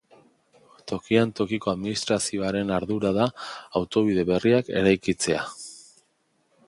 Tokian tokiko administrazioaren ardura da autobide berriak eraikitzea.